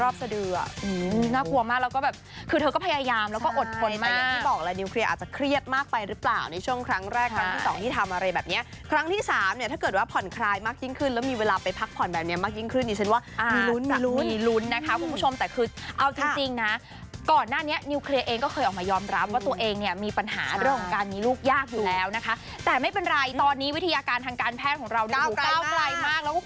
เข้าโมงเข้าโมงเข้าโมงเข้าโมงเข้าโมงเข้าโมงเข้าโมงเข้าโมงเข้าโมงเข้าโมงเข้าโมงเข้าโมงเข้าโมงเข้าโมงเข้าโมงเข้าโมงเข้าโมงเข้าโมงเข้าโมงเข้าโมงเข้าโมงเข้าโมงเข้าโมงเข้าโมงเข้าโม